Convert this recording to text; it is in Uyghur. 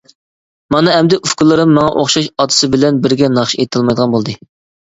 مانا ئەمدى ئۇكىلىرىم ماڭا ئوخشاش ئاتىسى بىلەن بىرگە ناخشا ئېيتالمايدىغان بولدى.